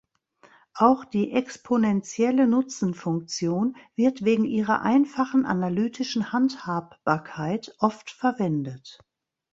Auch die exponentielle Nutzenfunktion wird wegen ihrer einfachen analytischen Handhabbarkeit oft verwendet.